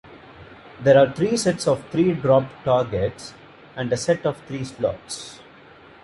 There are three sets of three drop targets, and a set of three slots.